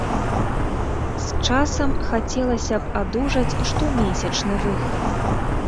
З часам хацелася б адужаць штомесячны выхад.